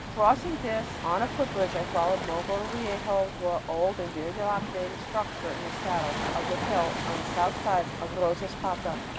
Crossing this on a footbridge, I followed Mogrovejo to an old and very dilapidated structure in the saddle of the hill on the south side of Rosaspata.